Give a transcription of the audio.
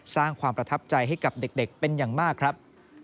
สร้างความประทับใจให้กับเด็กเป็นอย่างมากครับ